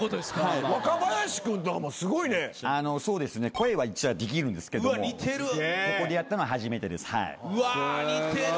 「声は一応できるんですけどもここでやったのは初めてです」うわ似てる！